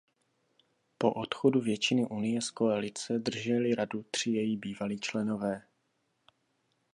Po odchodu většiny Unie z koalice drželi radu tři její bývalí členové.